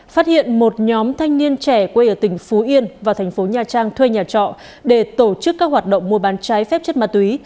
phát hiện một nhóm thanh niên trẻ quê ở tỉnh phú yên và thành phố nha trang thuê nhà trọ để tổ chức các hoạt động mua bán trái phép chất ma túy